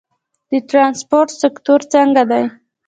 د ترانسپورت سکتور څنګه دی؟